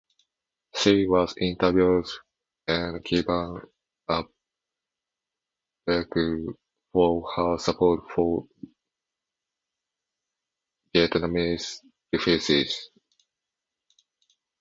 She was interviewed and given a plaque for her support for Vietnamese refugees.